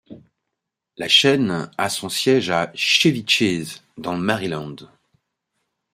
La chaîne a son siège à Chevy Chase, dans le Maryland.